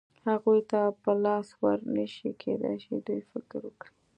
هغوی ته په لاس ور نه شي، کېدای شي دوی فکر وکړي.